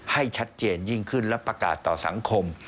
ให้ชัดเจนยิ่งขึ้นและประกาศต่อสังคม